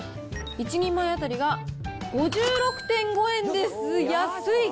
１人前当たりが５６．５円です。